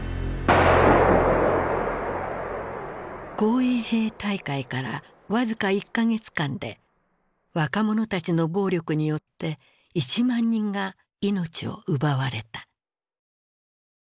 紅衛兵大会から僅か１か月間で若者たちの暴力によって１万人が命を奪われた。